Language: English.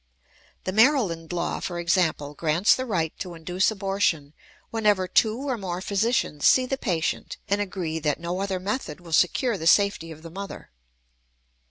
The Maryland law, for example, grants the right to induce abortion whenever two or more physicians see the patient and agree that "no other method will secure the safety of the mother."